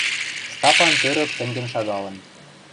Стапан тӧрӧк тӹнгӹн шагалын.